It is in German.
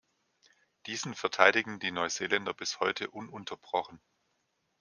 Diesen verteidigen die Neuseeländer bis heute ununterbrochen.